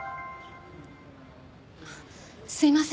すいません。